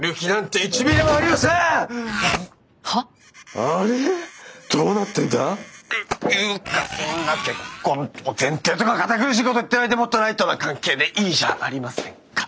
ていうかそんな結婚を前提とか堅苦しいこと言ってないでもっとライトな関係でいいじゃありませんか。